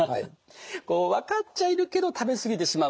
こう分かっちゃいるけど食べ過ぎてしまう。